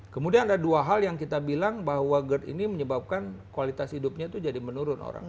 kemudian ada dua hal yang kita bilang bahwa gerd ini menyebabkan kualitas hidupnya itu jadi menurun orang